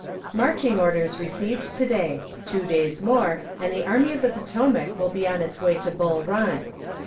Marching orders received to day two days more, and the Army of the Potomac will be on its way to Bull Run.